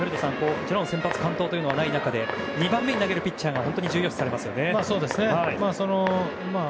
もちろん先発、完投はない中で２番目に投げるピッチャーが本当に重要視されますね。